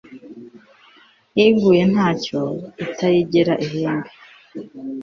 iguye ntayo itayigera ihembe